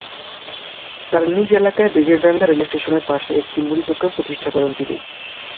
তাঁর নিজ এলাকায় বেজেরডাঙ্গা রেলস্টেশনের পাশে একটি মুদি দোকান প্রতিষ্ঠা করেন তিনি।